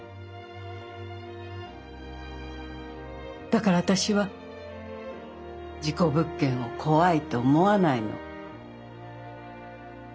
だから私は事故物件を怖いと思わないの。